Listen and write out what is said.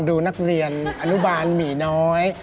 ดูนักเรียนอนุบาลหมี่น้อย